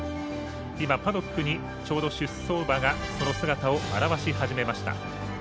今、パドックにちょうど出走馬がその姿を現し始めました。